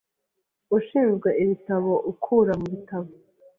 Ushinzwe ibitabo ukura mubitabo.